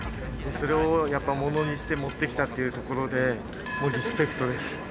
それをやっぱものにして持ってきたっていうところでもうリスペクトです。